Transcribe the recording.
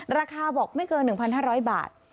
ราคาบอกไม่เกิน๑๕๐๐บาท